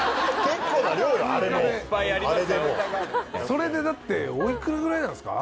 それでだってお幾らぐらいなんですか？